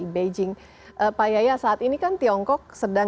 perusahaan yang lebih